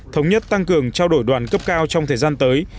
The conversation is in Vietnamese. thống nhất tăng cường trao đổi đoàn cấp cao trong thời gian tới